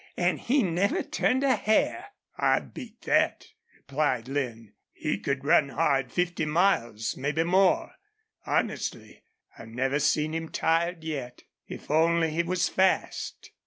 An' he never turned a hair!" "I've beat thet," replied Lin. "He could run hard fifty miles mebbe more. Honestly, I never seen him tired yet. If only he was fast!"